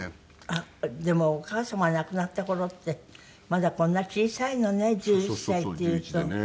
あっでもお母様が亡くなった頃ってまだこんな小さいのね１１歳っていうと。